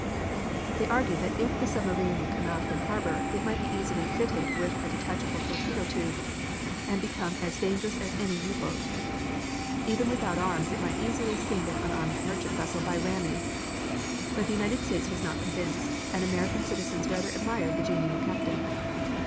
They argued that if the submarine would come out from harbor it might be easily fitted with detachable torpedo tubes, and become as dangerous as any U boat. Even without arms it might easily sink an unarmed merchant vessel by ramming. But the United States was not convinced, and American citizens rather admired the genial captain.